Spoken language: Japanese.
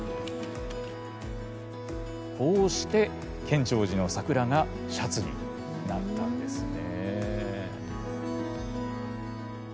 こうして建長寺の桜がシャツになったんですね。